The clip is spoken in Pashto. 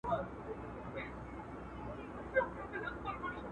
که وخت وي، لوبه کوم؟!